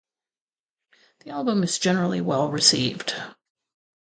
The album is generally well received.